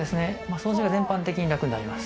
掃除が全般的にラクになります。